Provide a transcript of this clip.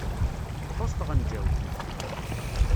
Txuṣṣ tɣenǧawt.